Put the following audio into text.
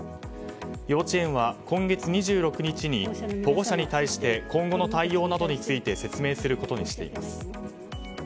幼稚園は今月２６日に保護者に対して今後の対応などについて説明することにしています。